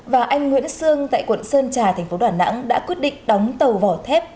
và anh nguyễn sương tại quận sơn trà thành phố đà nẵng đã quyết định đóng tàu vỏ thép